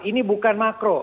ini bukan makro